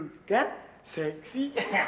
tuh kan seksi